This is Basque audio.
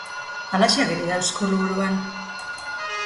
Halaxe ageri da Eskuliburuan.